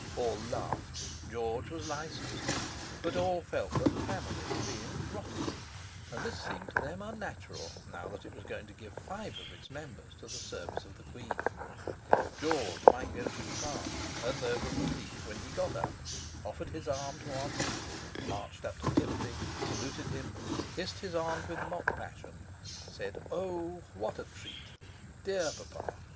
All laughed—George was licensed; but all felt that the family was being "rotted"; and this seemed to them unnatural, now that it was going to give five of its members to the service of the Queen. George might go too far; and there was relief when he got up, offered his arm to Aunt Juley, marched up to Timothy, saluted him, kissed his aunt with mock passion, said, "Oh! what a treat, dear papa!